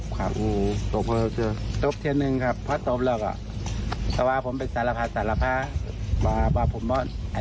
ก็โดนตบแบบนี้ลองฟังคุณลุงดูค่ะ